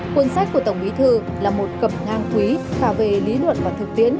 cuốn sách của tổng bí thư là một cập ngang quý khả về lý luận và thực tiễn